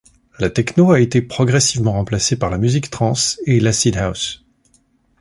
La techno a été progressivement remplacée par la musique trance et l'acid house.